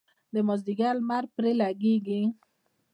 د مازدیګر لمر پرې لګیږي.